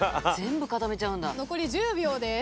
残り１０秒です。